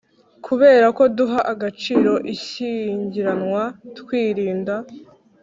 Kubera ko duha agaciro ishyingiranwa twirinda